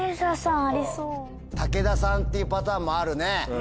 武田さんっていうパターンもあるね。